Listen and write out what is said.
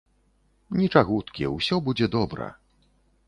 Нічагуткі, усё будзе добра.